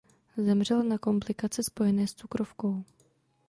Zemřel na komplikace spojené s cukrovkou.